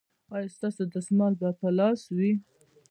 ایا ستاسو دستمال به په لاس وي؟